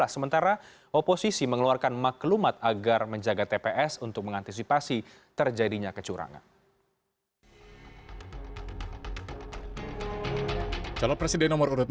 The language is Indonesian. sementara oposisi mengeluarkan maklumat agar menjaga tps untuk mengantisipasi terjadinya kecurangan